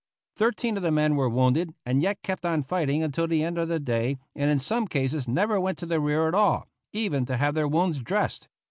Thirteen of the men were wounded and yet kept on fighting until the end of the day, and in some cases never went to the rear at all, even to have their wounds dressed.